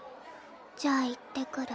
じゃあ行ってくる。